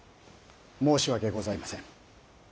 申し訳ございませぬ。